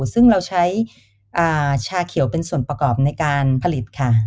ซึ่งเราใช้ชาเขียวเป็นส่วนประกอบในการผลิตค่ะ